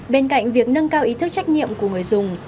bên cạnh việc nâng cao ý thức trách nhiệm của người dùng